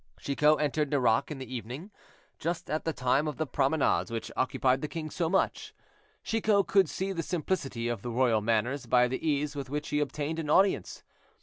Chicot entered Nerac in the evening, just at the time of the promenades which occupied the king so much. Chicot could see the simplicity of the royal manners by the ease with which he obtained an audience.